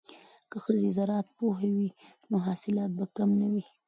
که ښځې زراعت پوهې وي نو حاصلات به کم نه وي.